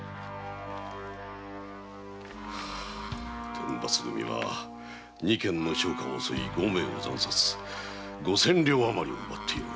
天罰組は二軒の商家を襲い五名を惨殺五千両余りを奪っている。